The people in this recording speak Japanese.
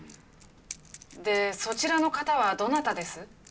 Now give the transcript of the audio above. でそちらの方はどなたです？